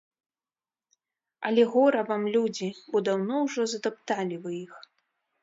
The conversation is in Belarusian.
Але гора вам, людзі, бо даўно ўжо затапталі вы іх.